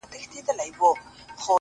سیاه پوسي ده ـ قندهار نه دی ـ